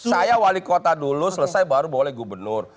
saya wali kota dulu selesai baru boleh gubernur